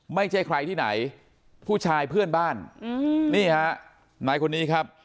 ไม่ใช่ใครที่ไหนผู้ชายเพื่อนบ้านนี่ฮะนายคนนี้ครับ